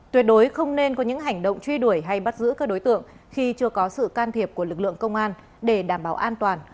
tuyệt đối không nên có những hành động truy đuổi hay bắt giữ các đối tượng khi chưa có sự can thiệp của lực lượng công an để đảm bảo an toàn